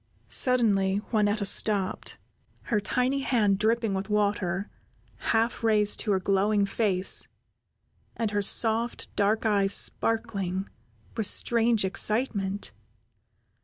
Suddenly Juanetta stopped, her tiny hand dripping with water, half raised to her glowing face, and her soft, dark eyes sparkling with strange excitement.